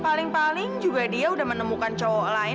paling paling juga dia udah menemukan cowok lain